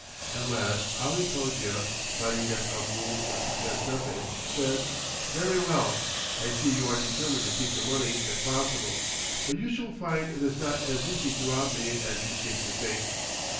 At last Ali Cogia, finding that Abul would confess nothing, said, "Very well. I see you are determined to keep the money if possible. But you shall find it is not as easy to rob me as you seem to think."